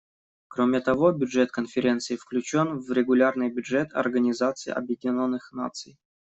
Кроме того, бюджет Конференции включен в регулярный бюджет Организации Объединенных Наций.